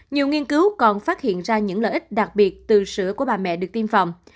nhiều nghiên cứu còn phát hiện ra những lợi ích đặc biệt từ sữa của bà mẹ được tiêm phòng